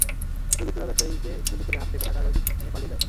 দুর্বৃত্তরা ব্যবসায়ীকে গুলি করে হাত থেকে টাকার ব্যাগ নিয়ে পালিয়ে যায়।